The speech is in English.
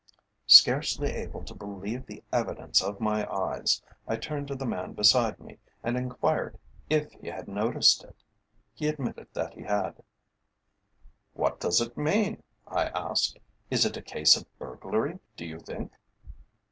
Scarcely able to believe the evidence of my eyes, I turned to the man beside me and enquired if he had noticed it? He admitted that he had. "What does it mean?" I asked. "Is it a case of burglary, do you think?"